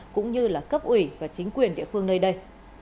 cũng như là cấp ủy và chính quyền địa phương nơi đây